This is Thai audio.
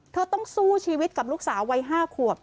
ต้องสู้ชีวิตกับลูกสาววัย๕ขวบ